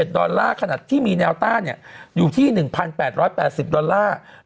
ดอลลาร์ขนาดที่มีแนวต้าอยู่ที่๑๘๘๐ดอลลาร์